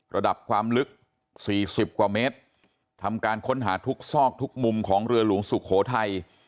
ระดับความลึก๔๐กว่าเมตรทำการค้นหาทุกซอกทุกมุมของเรือหลวงสุโขทัย